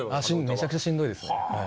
めちゃくちゃしんどいです。